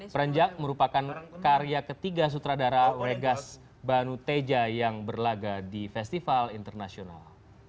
perenjak merupakan karya ketiga sutradara wegas banuteja yang berlaga di festival internasional